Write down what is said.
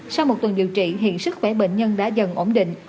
sau một tuần điều trị hiện sức khỏe bệnh nhân đã dần ổn định